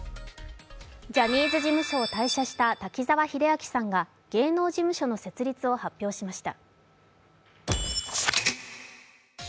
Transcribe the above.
ジャニーズ事務所を退社した滝沢秀明さんが芸能事務所の設立を発表しました。